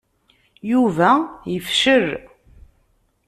Yuba yefcel.